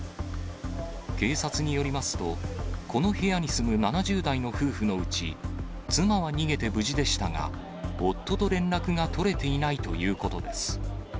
警察によりますと、この部屋に住む７０代の夫婦のうち、妻は逃げて無事でしたが、夫と連絡が取れていないということです。